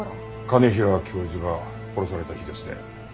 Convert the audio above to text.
兼平教授が殺された日ですね。